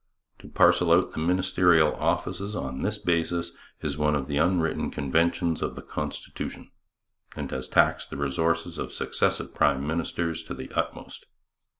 To parcel out the ministerial offices on this basis is one of the unwritten conventions of the constitution, and has taxed the resources of successive prime ministers to the utmost.